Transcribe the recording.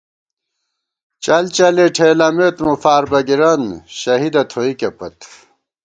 چل چَلے ٹھېلَمېت مو فاربَگِرَن، شہیدہ تھوئیکے پت